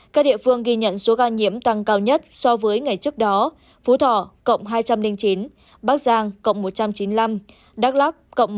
các địa phương ghi nhận số ca nhiễm tăng cao nhất so với ngày trước đó phú thọ cộng hai trăm linh chín bắc giang cộng một trăm chín mươi năm đắk lắc cộng một trăm linh tám